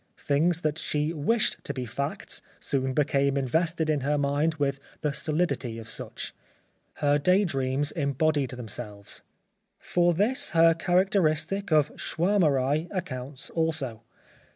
Things that she wished to be facts soon became invested in her mind with the solidity of such. Her day dreams embodied themselves. For this 35 The Life of Oscar Wilde her characteristic of Schwaermerei accounts also.